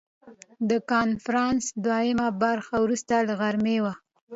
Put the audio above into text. د کنفرانس دوهمه برخه وروسته له غرمې وه.